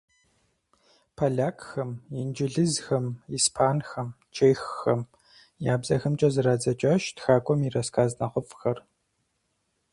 Полякхэм, инджылызхэм, испанхэм, чеххэм я бзэхэмкӀэ зэрадзэкӀащ тхакӀуэм и рассказ нэхъыфӀхэр.